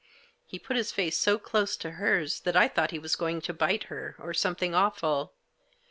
He put his face so close to hers that I thought he was going to bite her, or something awful.